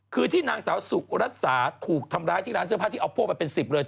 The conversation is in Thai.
คือที่นางสาวสุรัสสาถูกทำร้ายที่ร้านเสื้อผ้าที่เอาพวกมาเป็น๑๐เลย